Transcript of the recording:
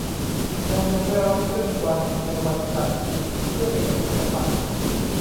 เรายังได้รับครึ่งวันในวันจันทร์เพื่อไปสนุกกับมัน